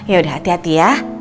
yaudah hati hati ya